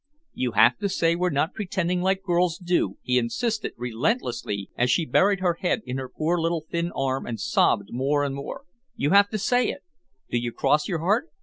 "You have to say we're not pretending like girls do," he insisted relentlessly as she buried her head in her poor little thin arm and sobbed more and more. "You have to say it. Do you cross your heart?